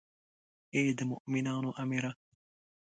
ای د مومنانو امیره.